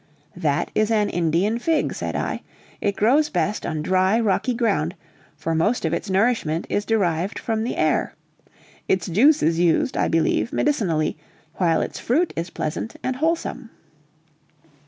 "That is an Indian fig," said I. "It grows best on dry, rocky ground; for most of its nourishment is derived from the air. Its juice is used, I believe, medicinally, while its fruit is pleasant and wholesome."